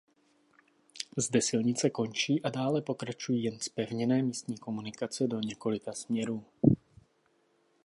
Zde silnice končí a dále pokračují jen zpevněné místní komunikace do několika směrů.